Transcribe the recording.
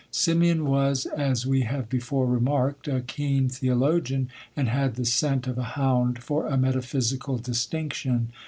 Simeon was, as we have before remarked, a keen theologian, and had the scent of a hound for a metaphysical distinction.